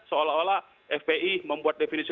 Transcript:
seolah olah fpi membuat definisi